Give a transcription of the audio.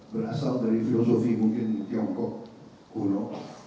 berasal dari filosofi mungkin tiongkok uno